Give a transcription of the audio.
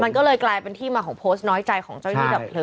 มันก็เลยกลายเป็นที่มาของโพสต์น้อยใจของเจ้าหน้าที่ดับเลิ